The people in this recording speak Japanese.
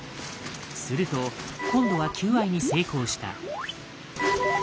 すると今度は求愛に成功した。